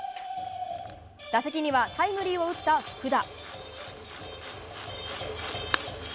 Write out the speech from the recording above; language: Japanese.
打席にはタイムリーを打った福田。